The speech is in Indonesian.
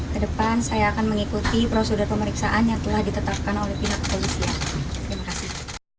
kedepan saya akan mengikuti prosedur pemeriksaan yang telah ditetapkan oleh pihak kepolisian